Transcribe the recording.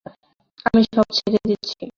আমি সব ছেড়ে দিচ্ছি।